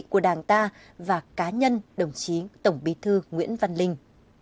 của đảng ta và cá nhân đồng chí tổng bí thư nguyễn văn linh